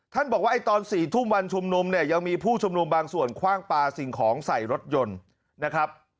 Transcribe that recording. ท่านบอกว่าตอน๔ทุ่มวันชุมนุมยังมีผู้ชุมนุมบางส่วนคว่างปลาสิ่งของใส่รถยนต์